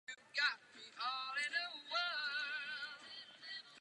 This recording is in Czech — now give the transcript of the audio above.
Evropské zátěžové testy jsou prováděny poslední dva roky.